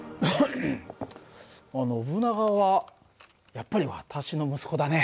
ノブナガはやっぱり私の息子だね。